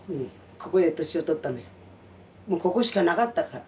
ここしかなかったから。